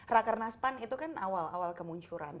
raker nas pan itu kan awal awal kemunculan